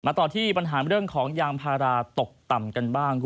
ต่อที่ปัญหาเรื่องของยางพาราตกต่ำกันบ้าง